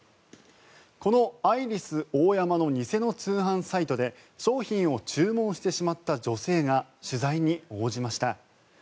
このアイリスオーヤマの偽の通販サイトで商品を注文してしまった女性が取材に応じました。